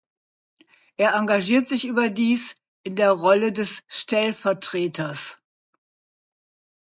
Er engagiert sich überdies in der Rolle des Stellv.